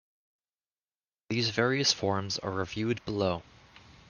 These various forms are reviewed below.